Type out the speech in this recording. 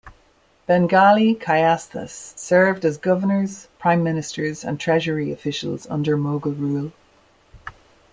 Bengali Kayasthas served as governors, prime ministers and treasury officials under Mughal rule.